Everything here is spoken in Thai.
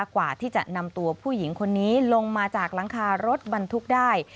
กว่าที่จะนำตัวผู้หญิงคนนี้ลงมาจากหลังคารถบรรทุกได้